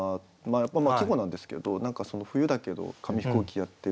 まあ季語なんですけど何かその冬だけど紙飛行機やってる。